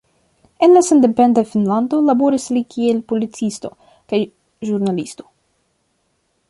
En la sendependa Finnlando laboris li kiel policisto kaj ĵurnalisto.